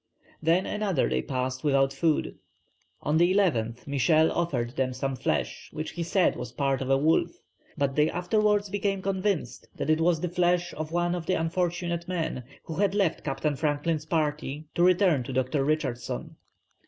Then another day passed without food. On the 11th, Michel offered them some flesh, which he said was part of a wolf; but they afterwards became convinced that it was the flesh of one of the unfortunate men who had left Captain Franklin's party to return to Dr. Richardson.